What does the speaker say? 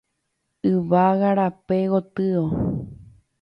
Yvága rape gotyo.